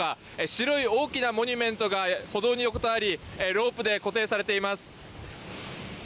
白い大きなモニュメントが歩道に横たわりロープで固定されています。